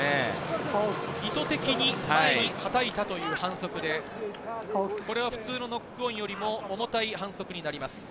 意図的に前に叩いたという反則で、これは普通のノックオンよりも重たい反則になります。